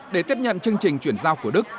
để tiếp nhận chương trình chuyển giao của đức